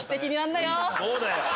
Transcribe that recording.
そうだよ。